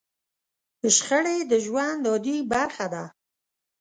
شخړې د ژوند عادي برخه ده.